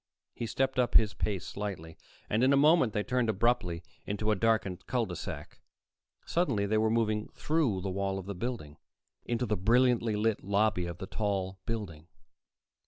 He stepped up his pace slightly, and in a moment they turned abruptly into a darkened cul de sac. Suddenly, they were moving through the wall of the building into the brilliantly lit lobby of the tall building.